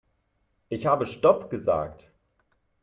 Ich habe stopp gesagt.